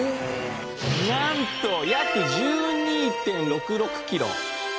なんと約１２．６６キロ。